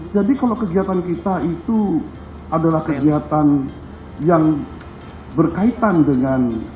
jadi kalau kegiatan kita itu adalah kegiatan yang berkaitan dengan